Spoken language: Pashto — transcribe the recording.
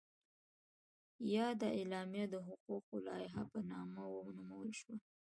یاده اعلامیه د حقوقو لایحه په نامه ونومول شوه.